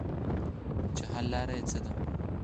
چې حل لاره ئې څۀ ده -